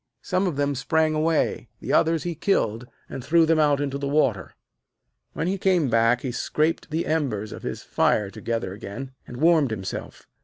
Some of them sprang away, the others he killed, and threw them out into the water. When he came back he scraped the embers of his fire together again, and warmed himself.